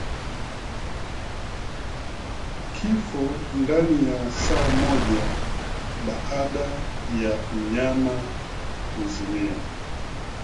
Kifo ndani ya saa moja baada ya mnyama kuzimia